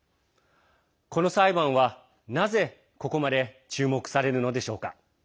この裁判は、なぜここまで注目されるのでしょうか。